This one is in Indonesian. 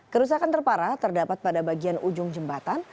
kerusakan terparah terdapat pada bagian ujung jembatan